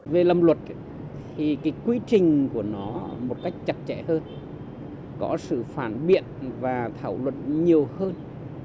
về làm luật thì quy trình của nó một cách chặt chẽ hơn có sự phản biện và thảo luật nhiều hơn